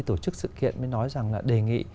tổ chức sự kiện mới nói rằng là đề nghị